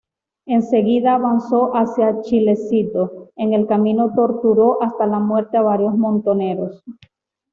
Enseguida avanzó hacia Chilecito; en el camino torturó hasta la muerte a varios montoneros.